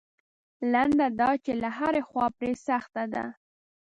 لنډه دا چې له هرې خوا پرې سخته ده.